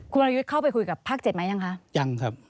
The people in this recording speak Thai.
คุณมะรายุทเข้าไปคุยกับภาคเจ็ดไหมยังคะยังครับ